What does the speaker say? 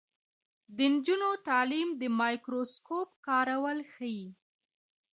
د نجونو تعلیم د مایکروسکوپ کارول ښيي.